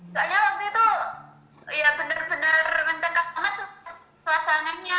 soalnya waktu itu ya bener bener mencegah banget suasananya